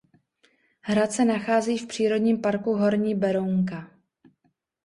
Hrad se nachází v přírodním parku Horní Berounka.